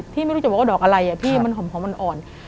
ไม่รู้จะบอกว่าดอกอะไรพี่มันหอมอ่อน